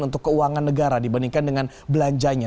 untuk keuangan negara dibandingkan dengan belanjanya